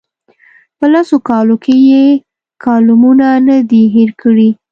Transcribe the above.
په لسو کالو کې یې کالمونه نه دي هېر کړي.